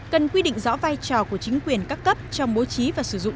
cần quy định rõ vai trò của chính quyền các cấp trong bố trí và sử dụng